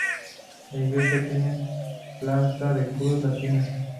La iglesia tiene planta de cruz latina.